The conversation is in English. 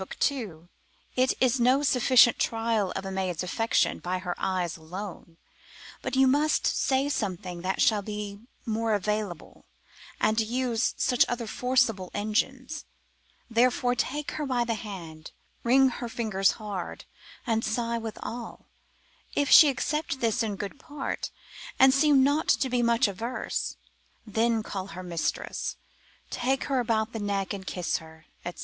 2, It is no sufficient trial of a maid's affection by her eyes alone, but you must say something that shall be more available, and use such other forcible engines; therefore take her by the hand, wring her fingers hard, and sigh withal; if she accept this in good part, and seem not to be much averse, then call her mistress, take her about the neck and kiss her, &c.